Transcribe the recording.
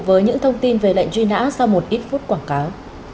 với những thông tin về lệnh truy nã sau một ít phút quảng cáo